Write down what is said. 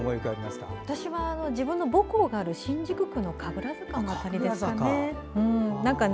私は、自分の母校がある新宿区の神楽坂ですかね。